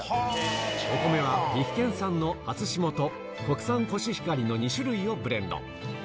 お米は岐阜県産の初霜と、国産コシヒカリの２種類をブレンド。